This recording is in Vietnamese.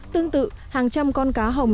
tương tự hàng trăm con cá hồng